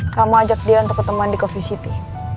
kamu ajak dia untuk ketemuan di coffey city